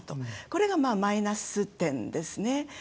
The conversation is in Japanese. これがマイナス点ですね。